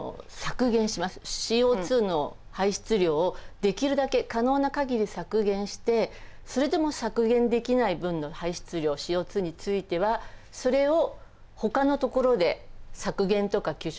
ＣＯの排出量をできるだけ可能な限り削減してそれでも削減できない分の排出量ＣＯについてはそれをほかのところで削減とか吸収